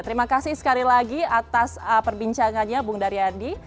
terima kasih sekali lagi atas perbincangannya bu ngedaryadi